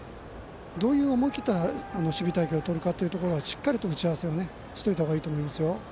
どういう思い切った守備隊形をとるかというのはしっかり打ち合わせをしておいたほうがいいと思いますよ。